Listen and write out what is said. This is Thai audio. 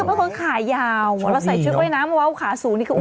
เพราะว่าคนขายาวแล้วใส่ชุดว่ายน้ำว้าวขาสูงนี่คือโอ้โฮ